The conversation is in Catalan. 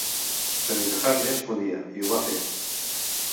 Però Johannes podia, i ho va fer.